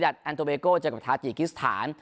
แอนโตเบโก้เจอกับทาจิกิสถาน